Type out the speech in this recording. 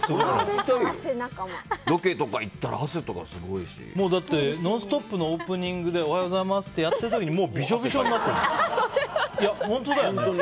ロケとか行ったらだって「ノンストップ！」のオープニングでおはようございますってやっている時にもうびしょびしょになってる。